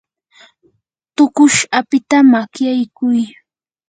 tuqush apita makyaykuy.